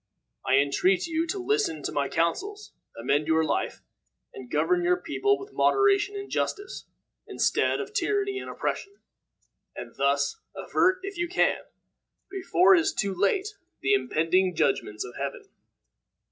I entreat you to listen to my counsels, amend your life, and govern your people with moderation and justice, instead of tyranny and oppression, and thus avert if you can, before it is too late, the impending judgments of Heaven."